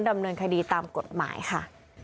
ดำเนินคดีตามกฎหมายค่ะ